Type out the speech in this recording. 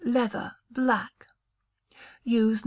Leather (Black). Use No.